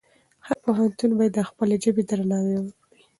هر پښتون باید د خپلې ژبې درناوی وکړي.